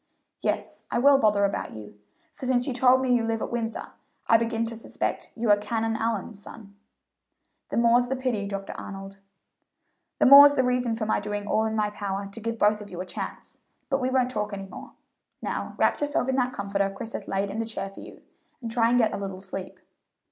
"Yes, I will bother about you, for since you told me you live at Windsor, I begin to suspect you are Canon Allyn's son." "The more's the pity, Dr. Arnold." "The more's the reason for my doing all in my power to give both of you another chance But we won't talk any more. Now wrap yourself in that comforter Chris has laid in the chair for you, and try and get a little sleep."